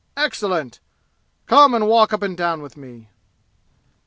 "Excellent! Come and walk up and down with me."